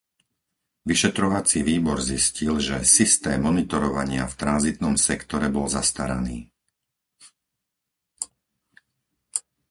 Vyšetrovací výbor zistil, že systém monitorovania v tranzitnom sektore bol zastaraný.